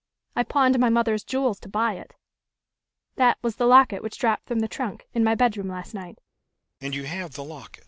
I pawned my mother's jewels to buy it. That was the locket which dropped from the trunk, in my bedroom last night."